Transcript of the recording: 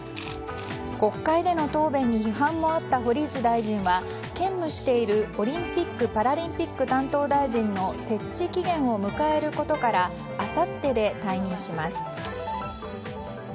国会での答弁に批判もあった堀内大臣は兼務しているオリンピック・パラリンピック担当大臣の設置期限を迎えることからあさってで退任します。